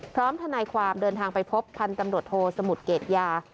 ทนายความเดินทางไปพบพันธุ์ตำรวจโทสมุทรเกรดยา